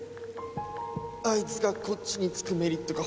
あいつがこっちにつくメリットがほぼねえ。